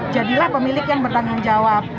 jadilah pemilik yang bertanggung jawab